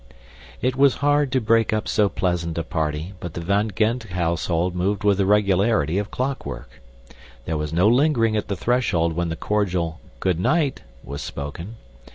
It was hard to break up so pleasant a party, but the Van Gend household moved with the regularity of clockwork. There was no lingering at the threshold when the cordial "Good night!" was spoken.